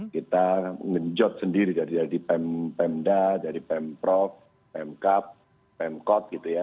kita ngejot sendiri dari pemda dari pemprov pemkap pemkot gitu ya